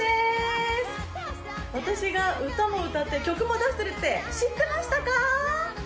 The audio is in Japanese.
私が歌も歌って曲も出してるって知ってましたか？